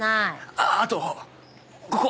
ああとここ。